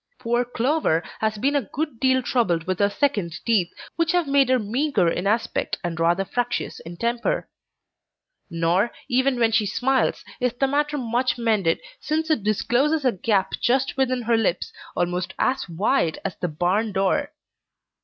Poor Clover has been a good deal troubled with her second teeth, which have made her meagre in aspect and rather fractious in temper; nor, even when she smiles, is the matter much mended, since it discloses a gap just within her lips, almost as wide as the barn door.